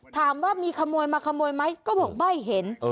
ถามว่ามีขโมยมาขโมยไหมก็บอกไม่เห็น